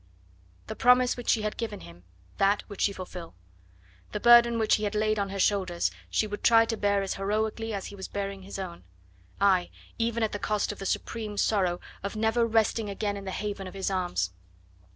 The promise which she had given him, that would she fulfil. The burden which he had laid on her shoulders she would try to bear as heroically as he was bearing his own. Aye, even at the cost of the supreme sorrow of never resting again in the haven of his arms.